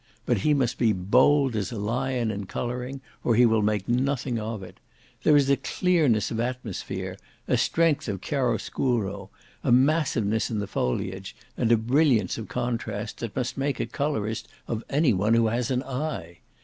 But he must be bold as a lion in colouring, or he will make nothing of it. There is a clearness of atmosphere, a strength of chiaro oscuro, a massiveness in the foliage, and a brilliance of contrast, that must make a colourist of any one who has an eye.